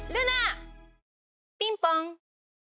ピンポン。